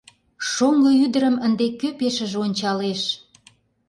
Шоҥго ӱдырым ынде кӧ пешыже ончалеш?